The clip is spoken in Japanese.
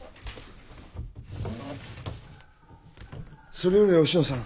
それよりおしのさん